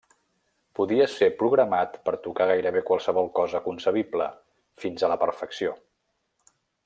Podia ser programat per tocar gairebé qualsevol cosa concebible, fins a la perfecció.